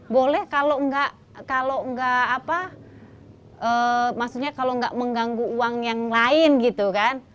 boleh kalau enggak kalau enggak apa maksudnya kalau enggak mengganggu uang yang lain gitu kan